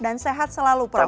dan sehat selalu prof